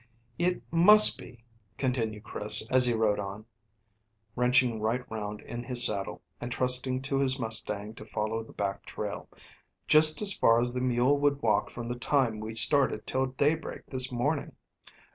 "It must be," continued Chris, as he rode on, wrenching right round in his saddle, and trusting to his mustang to follow the back trail, "just as far as the mule would walk from the time we started till daybreak this morning.